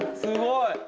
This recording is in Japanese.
すごい。